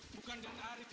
bukan dengan arifin